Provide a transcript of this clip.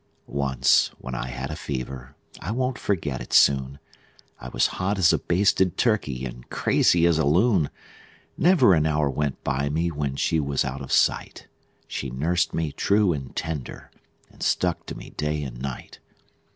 Once when I had a fever I won't forget it soon I was hot as a basted turkey and crazy as a loon; Never an hour went by me when she was out of sight She nursed me true and tender, and stuck to me day and night.